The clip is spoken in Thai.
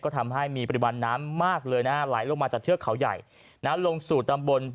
ก็ทำให้มีปริมาณน้ำมากเลยนะไหลลงมาจากเทือกเขาใหญ่นะลงสู่ตำบล